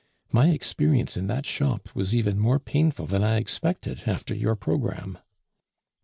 "My experience in that shop was even more painful than I expected, after your programme."